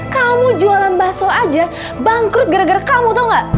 kamu jualan bakso aja bangkrut gara gara kamu tuh gak